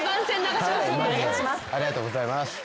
ありがとうございます。